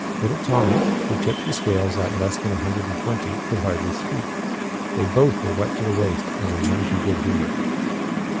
Little Tommy, who tipped the scales at less than a hundred and twenty, could hardly speak. They both were wet to the waist and in none too good humor.